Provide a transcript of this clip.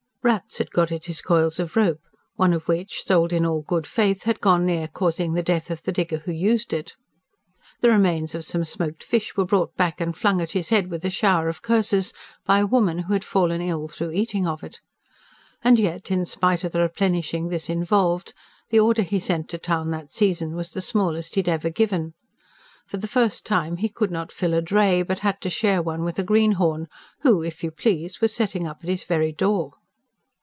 Rats had got at his coils of rope, one of which, sold in all good faith, had gone near causing the death of the digger who used it. The remains of some smoked fish were brought back and flung at his head with a shower of curses, by a woman who had fallen ill through eating of it. And yet, in spite of the replenishing this involved, the order he sent to town that season was the smallest he had ever given. For the first time he could not fill a dray, but had to share one with a greenhorn, who, if you please, was setting up at his very door.